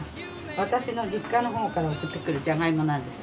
私の実家のほうから送ってくるジャガイモなんです。